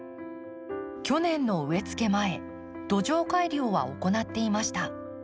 去年の植えつけ前土壌改良は行っていました。